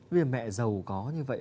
vì mẹ giàu có như vậy